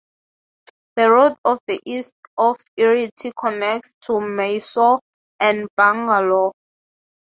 The road to the east of Iritty connects to Mysore and Bangalore.